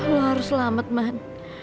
lo harus selamat man